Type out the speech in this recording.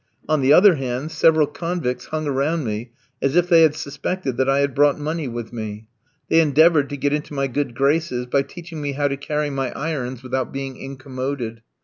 On the other hand, several convicts hung around me as if they had suspected that I had brought money with me. They endeavoured to get into my good graces by teaching me how to carry my irons without being incommoded.